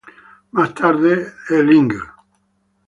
Más tarde el Ing.